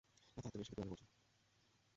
এত আত্মবিশ্বাসের সাথে কিভাবে বলছো?